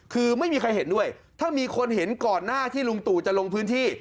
คือไม่มีใครเห็นด้วยถ้ามีคนเห็นก่อนหน้าที่ลุงตู่จะลงพื้นที่